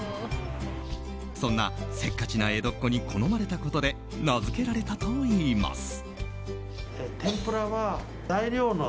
そんなせっかちな江戸っ子に好まれたことで名づけられたといいます。